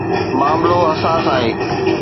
معاملو حساس آهي.